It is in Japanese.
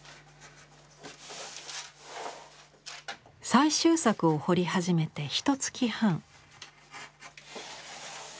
最終作を彫り始めてひとつき半。